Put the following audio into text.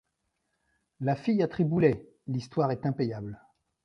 La fille à Triboulet! l’histoire est impayable !